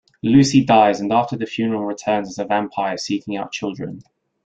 Lucy dies and after the funeral returns as a vampire seeking out children.